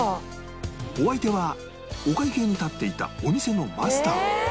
お相手はお会計に立っていたお店のマスター